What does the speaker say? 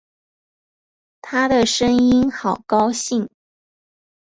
她的声音好高兴